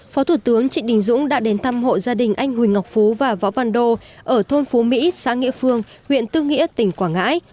phó thủ tướng trịnh đình dũng đã đến thăm hộ gia đình anh huỳnh ngọc phú và võ văn đô ở thôn phú mỹ xã nghĩa phương huyện tư nghĩa tỉnh quảng ngãi